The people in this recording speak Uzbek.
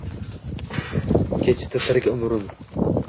Kechdi tirik umrim